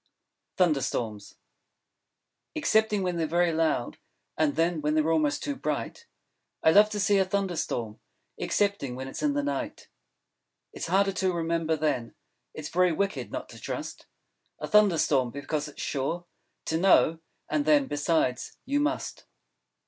Thunder Storms Excepting when they're very loud, And then, when they're almost too bright, I love to see a Thunder Storm, Excepting when it's in the night. It's harder to remember, then: _It's Very Wicked not to trust A Thunder Storm. Because it's Sure To know! And then, besides, you Must.